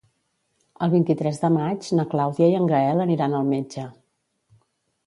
El vint-i-tres de maig na Clàudia i en Gaël aniran al metge.